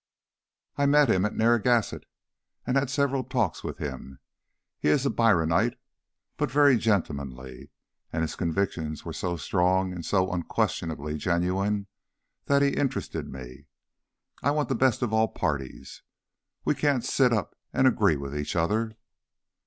"I met him at Narragansett, and had several talks with him. He is a Bryanite, but very gentlemanly, and his convictions were so strong and so unquestionably genuine that he interested me. I want the best of all parties. We can't sit up and agree with each other."